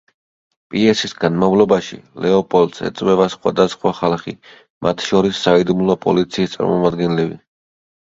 პიესის განმავლობაში, ლეოპოლდს ეწვევა სხვადასხვა ხალხი, მათ შორის საიდუმლო პოლიციის წარმომადგენლები.